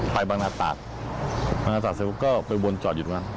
บางนาตาศบางนาศาสตเสร็จปุ๊บก็ไปวนจอดอยู่ตรงนั้น